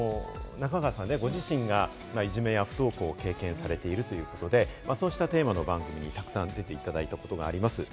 中川さん自身がいじめや不登校をご経験されているということで、そういうテーマの番組に沢山出ていただいたことがあります。